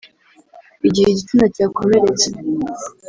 Igihe igitsina cyakomeretse